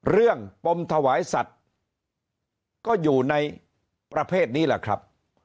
เรื่องปมถวายสัตว์ก็อยู่ในประเภทนี้ล่ะครับ